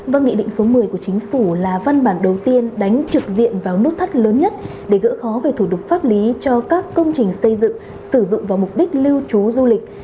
và nghị định số một mươi của chính phủ là văn bản đầu tiên đánh trực diện vào nút thắt lớn nhất để gỡ khó về thủ tục pháp lý cho các công trình xây dựng sử dụng vào mục đích lưu trú du lịch